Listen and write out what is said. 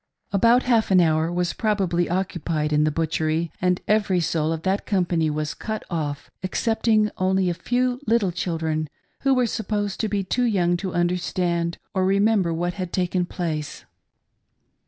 About half an hour was probably occupied in the butchery, and every soul of that company was cut off, excepting oi; ily a few little children who were suppv^sed to be too young to understand or remember what had taken place.